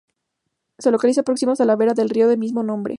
Se localiza próximo a la vera del río de mismo nombre.